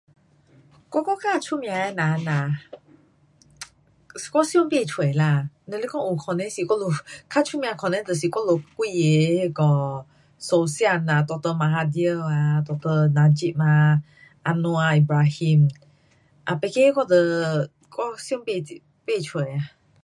我国家出门的人呐，我想不出啦。